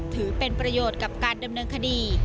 ถือเป็นประโยชน์กับการดำเนินคดี